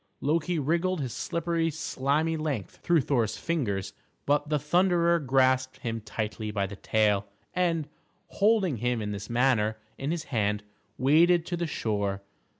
Loki wriggled his slippery, slimy length through Thor's fingers; but the Thunderer grasped him tightly by the tail, and, holding him in this manner in this hand, waded to the shore.